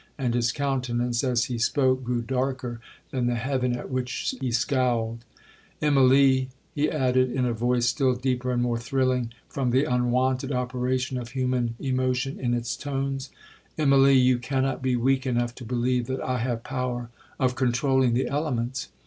and his countenance, as he spoke, grew darker than the heaven at which he scowled. 'Immalee,' he added, in a voice still deeper and more thrilling, from the unwonted operation of human emotion in its tones; 'Immalee, you cannot be weak enough to believe that I have power of controuling the elements?